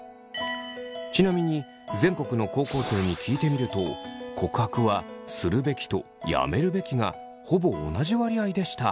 ちなみに全国の高校生に聞いてみると告白はするべきとやめるべきがほぼ同じ割合でした。